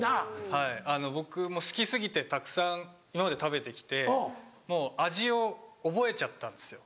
はいあの僕好き過ぎてたくさん今まで食べてきてもう味を覚えちゃったんですよ。